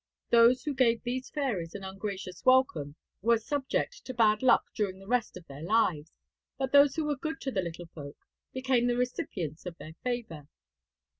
Those who gave these fairies an ungracious welcome were subject to bad luck during the rest of their lives, but those who were good to the little folk became the recipients of their favour.